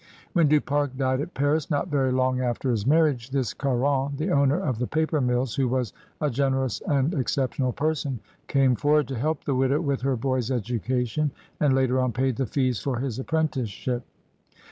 When Du Pare died at Paris, not very long after his marriage, this Caron, the owner of the paper mills, who was a generous and exceptional person, came forward to help the widow with her boy's education and later on paid the fees for his apprenticeship.